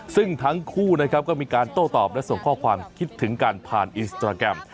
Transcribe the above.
ซึ่งทั้งคู่นะครับก็มีการโต้ตอบและส่งข้อความคิดถึงกันผ่านอินสตราแกรม